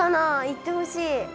いってほしい。